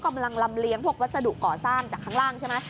กำลังลำเลี้ยพวกวัสดุก่อสร้างจากข้างล่างใช่ไหม